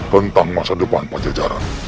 tentang masa depan pajajaran